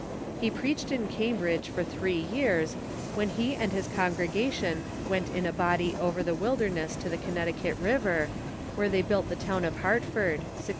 He preached in Cambridge for three years, when he and his congregation went in a body over the wilderness to the Connecticut River, where they built the town of Hartford (1636).